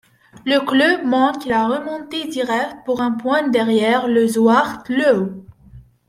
Le club manque la remontée directe pour un point derrière le Zwarte Leeuw.